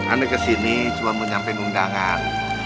ana ke sini cuma mau nyampe undangan